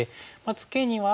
ツケには。